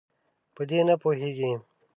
په دې نه پوهیږي.